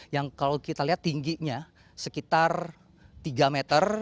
yang kalau kita lihat tingginya sekitar tiga meter